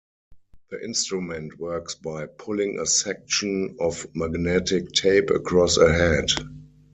The instrument works by pulling a section of magnetic tape across a head.